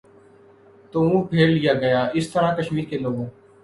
تو منہ پھیر لیا گیا اس طرح کشمیر کے لوگوں